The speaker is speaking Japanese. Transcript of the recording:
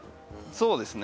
そうですね。